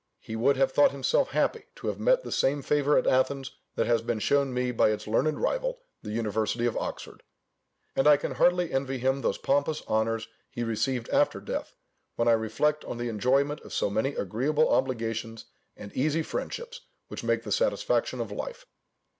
He would have thought himself happy to have met the same favour at Athens that has been shown me by its learned rival, the University of Oxford. And I can hardly envy him those pompous honours he received after death, when I reflect on the enjoyment of so many agreeable obligations, and easy friendships, which make the satisfaction of life.